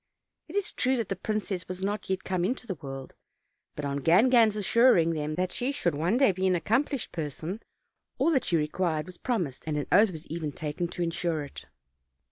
It is true that the princess was not yet come into the world; but, on Gangan's assur ing them that she should one day be an accomplished person, all that she required was promised, and an oath was even taken to insure it.